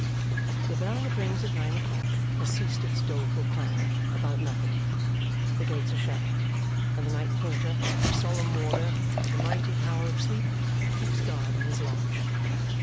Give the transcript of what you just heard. The bell that rings at nine o'clock has ceased its doleful clangour about nothing; the gates are shut; and the night porter, a solemn warder with a mighty power of sleep, keeps guard in his lodge.